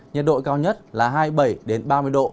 nhiệt độ cao nhất là hai mươi bảy ba mươi độ